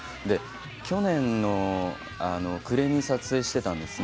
去年の暮れに撮影してたんですね。